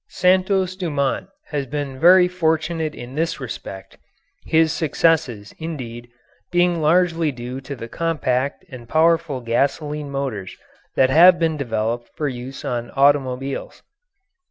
Santos Dumont has been very fortunate in this respect, his success, indeed, being largely due to the compact and powerful gasoline motors that have been developed for use on automobiles.